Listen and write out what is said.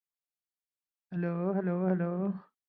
Upon the approach of the Red Army, he fled west to Bavaria.